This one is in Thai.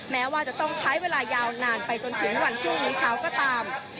แม้ว่าจะต้องใช้เวลายาวนานไปจนถึงวันพรุ่งนี้เช้าก็ตาม